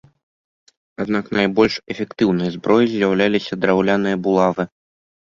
Аднак найбольш эфектыўнай зброяй з'яўляліся драўляныя булавы.